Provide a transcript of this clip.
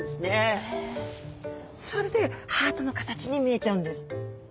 それでハートの形に見えちゃうんです。